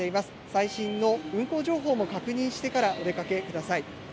最新の運行情報も確認してからお出かけください。